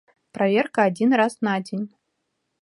Праверка адзін раз на дзень.